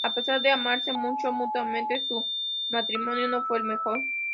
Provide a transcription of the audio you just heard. A pesar de amarse mucho mutuamente, su matrimonio no fue el mejor.